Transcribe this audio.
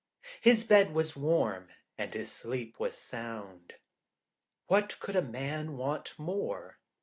His bed was warm, and his sleep was sound. What could a man want more?